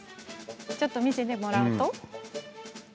ちょっと見せてもらうと。